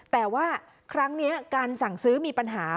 แต่ว่าครั้งนี้การสั่งซื้อมีปัญหา